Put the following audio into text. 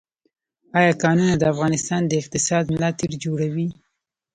آیا کانونه د افغانستان د اقتصاد ملا تیر جوړوي؟